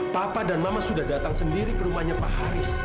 papa dan mama sudah datang sendiri ke rumahnya pak haris